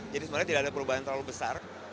jadi sebenarnya tidak ada perubahan terlalu besar